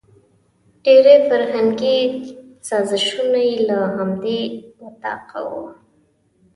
ډېري فرهنګي سازشونه یې له همدې وطاقه وو.